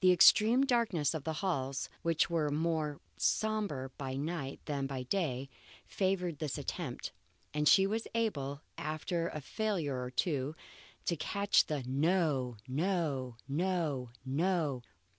The extreme darkness of the halls, which were more sombre by night than by day, favoured this attempt, and she was able, after a failure or two, to catch the No! no! no! no!